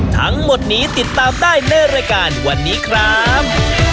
ทั้งหมดนี้ติดตามได้ในรายการวันนี้ครับ